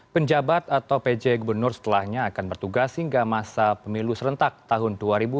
penjabat atau pj gubernur setelahnya akan bertugas hingga masa pemilu serentak tahun dua ribu dua puluh